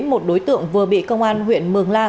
một đối tượng vừa bị công an huyện mường la